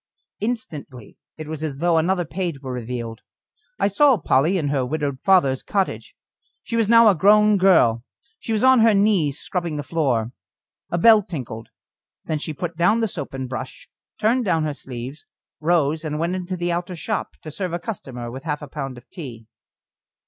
Instantly it was as though another page were revealed. I saw Polly in her widowed father's cottage. She was now a grown girl; she was on her knees scrubbing the floor. A bell tinkled. Then she put down the soap and brush, turned down her sleeves, rose and went into the outer shop to serve a customer with half a pound of tea.